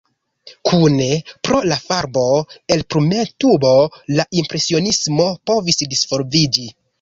Kune pro la farbo-elpremtubo la impresionismo povis disvolviĝi.